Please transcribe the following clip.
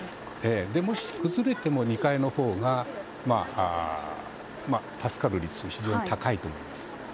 もし崩れても２階のほうが助かる率は非常に高いと思います。